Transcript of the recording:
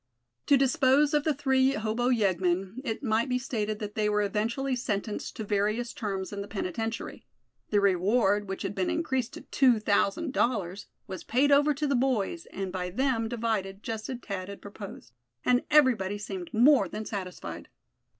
To dispose of the three hobo yeggmen, it might be stated that they were eventually sentenced to various terms in the penitentiary. The reward, which had been increased to two thousand dollars, was paid over to the boys, and by them divided, just as Thad had proposed. And everybody seemed more than satisfied.